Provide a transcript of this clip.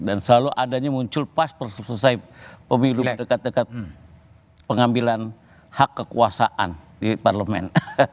dan selalu adanya muncul pas selesai pemilu dekat dekat pengambilan hak kekuasaan di parlemen